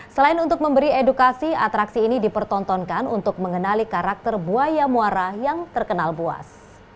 selain untuk memberi edukasi atraksi ini dipertontonkan untuk mengenali karakter buaya muara yang terkenal buas